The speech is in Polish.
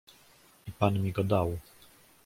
"I pan mi go dał."